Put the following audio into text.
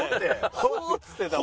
「ほ」っつってたもん。